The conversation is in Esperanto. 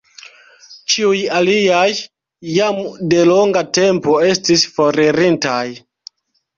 Ĉiuj aliaj jam de longa tempo estis foririntaj.